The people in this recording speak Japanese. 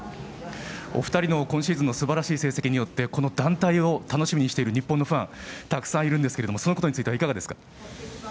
お二人の今シーズンのすばらしい成績によってこの団体を楽しみにしている日本のファンがたくさんいるんですけどもそのことについてはいかがですか。